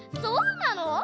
そうなの？